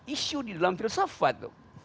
isu di dalam filsafat